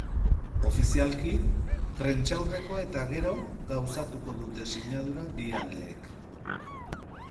Ofizialki, prentsaurrekoa eta gero gauzatuko dute sinadura bi aldeek.